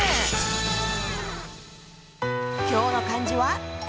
今日の漢字は。